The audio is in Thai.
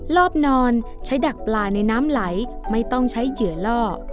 รอบนอนใช้ดักปลาในน้ำไหลไม่ต้องใช้เหยื่อล่อ